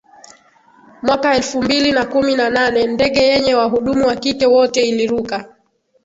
mwaka elfu mbili na kumi na nane ndege yenye wahudumu wa kike wote iliruka